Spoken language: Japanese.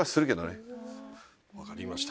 分かりました。